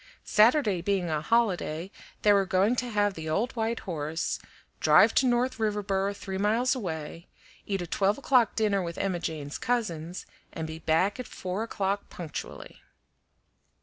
Saturday being a holiday, they were going to have the old white horse, drive to North Riverboro three miles away, eat a twelve o'clock dinner with Emma Jane's cousins, and be back at four o'clock punctually.